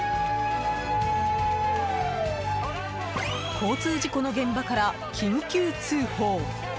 交通事故の現場から緊急通報。